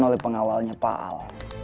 oleh pengawalnya pak al